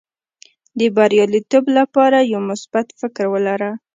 د بریالیتوب لپاره یو مثبت فکر ولره.